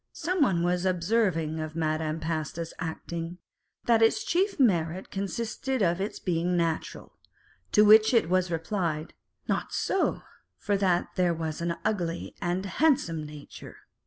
1 Some one was observing of Madame Pasta's acting, that its chief merit consisted in its being natural. To which it was replied, " Not so, for that there was an ugly and a handsome nature."